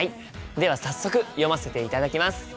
では早速読ませていただきます。